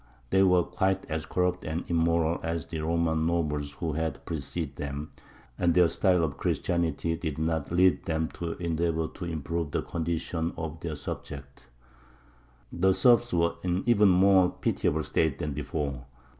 They were quite as corrupt and immoral as the Roman nobles who had preceded them, and their style of Christianity did not lead them to endeavour to improve the condition of their subjects. The serfs were in an even more pitiable state than before.